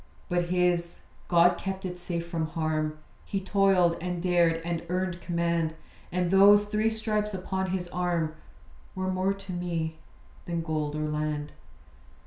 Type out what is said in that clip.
But his God kept it safe from harm. He toiled, and dared, and earned command; And those three stripes upon his arm Were more to me than gold or land.